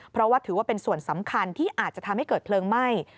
เพราะว่าถือว่าเป็นส่วนสำคัญที่อาจจะทำให้เกิดเพลิงไหม้